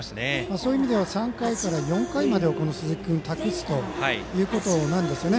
そういう意味では３回から４回までを鈴木君に託すということですね。